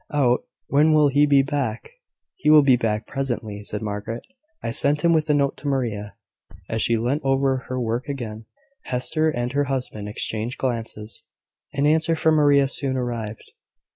"Out! when will he be back?" "He will be back presently," said Margaret. "I sent him with a note to Maria." As she leant over her work again, Hester and her husband exchanged glances. An answer from Maria soon arrived.